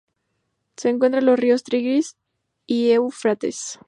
Se encuentra en los ríos Tigris y Éufrates.